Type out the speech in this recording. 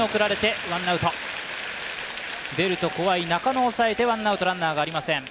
出ると怖い中野を抑えてワンアウト、ランナーはいません。